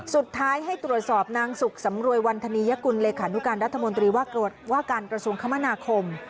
สุดท้ายให้ตรวจสอบนางสุขสำรวยวันธนียกุลเลขานุการรัฐมนตรีว่าการกระทรวงคมนาคม